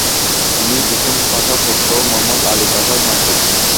তিনি তুসুন পাশার পুত্র ও মুহাম্মদ আলি পাশার নাতি।